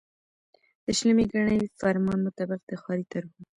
د شلمي ګڼي فرمان مطابق د ښاري طرحو